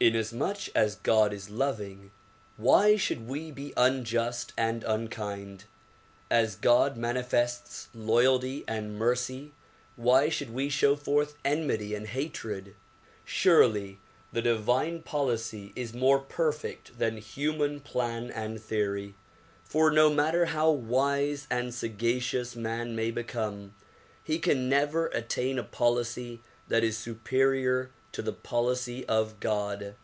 Inasmuch as God is loving, why should we be unjust and unkind ? As God mani fests loyalty and mercy, why should we show forth enmity and hatred? Surely the divine policy is more perfect than human plan and theory ; for no matter how wise and sagacious man may become he can never attain a policy that is superior to the policy of God.